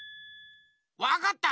わかった！